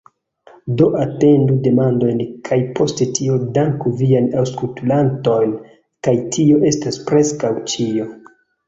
Do atendu demandojn kaj post tio danku vian aŭskutlantojn kaj tio estas preskaŭ ĉio